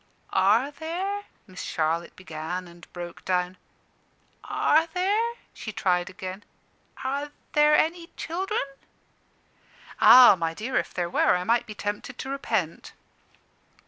"Are there " Miss Charlotte began, and broke down. "Are there," she tried again, "are there any children?" "Ah, my dear, if there were, I might be tempted to repent."